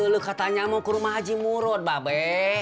lu katanya mau ke rumah haji murut ba be